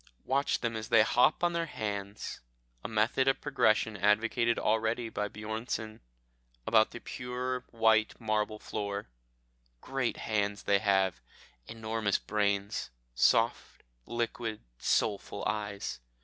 Watch them as they hop on their hands a method of progression advocated already by Bjornsen about the pure white marble floor. Great hands they have, enormous brains, soft, liquid, soulful eyes.